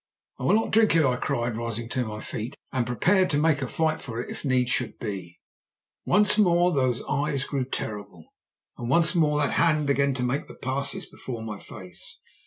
"'I will not drink it!' I cried, rising to my feet, and prepared to make a fight for it if need should be. "Once more those eyes grew terrible, and once more that hand began to make the passes before my face.